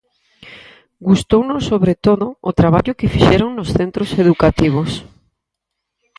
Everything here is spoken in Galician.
Gustounos sobre todo o traballo que fixeron nos centros educativos.